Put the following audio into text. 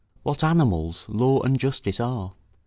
what animals law and justice are?